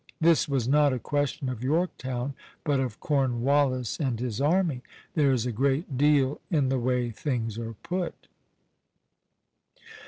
This was not a question of Yorktown, but of Cornwallis and his army; there is a great deal in the way things are put.